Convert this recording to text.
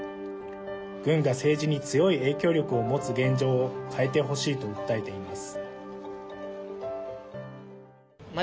軍が政治に強い影響力を持つ現状を変えてほしいと訴えています。